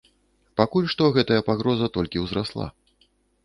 Пакуль што гэтая пагроза толькі ўзрасла.